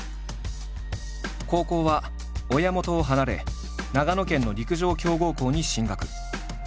高校は親元を離れ長野県の陸上強豪校に進学。